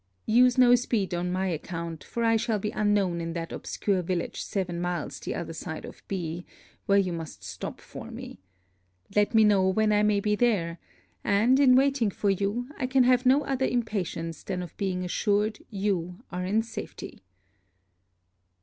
Use no speed on my account, for I shall be unknown in that obscure village seven miles the other side of B , where you must stop for me. Let me know when I may be there; and, in waiting for you, I can have no other impatience than of being assured you are in safety.